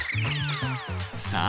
さあ